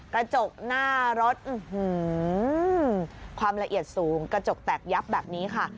กระจกหน้ารถความละเอียดสูงกระจกแตกยับแบบนี้ค่ะ